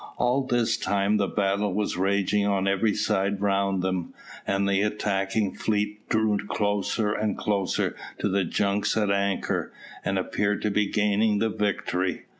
All this time the battle was raging on every side round them, and the attacking fleet drew closer and closer to the junks at anchor, and appeared to be gaining the victory.